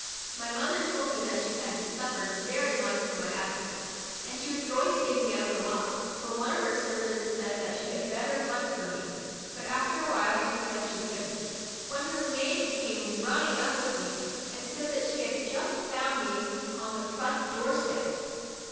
My mother told me that she had suffered very much for my absence, and she was going to give me up for lost, (for one of her servants said that she had bet ter hunt for me, but after a while she said she couldn't,) when her maid came run ning up with me, and said that she had just found me on the front door step.